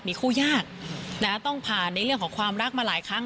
มีคู่ยากต้องผ่านในเรื่องของความรักมาหลายครั้ง